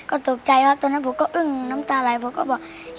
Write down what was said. ก็ตกใจครับตอนนั้นผมก็อึ้งน้ำตาไหลผมก็บอก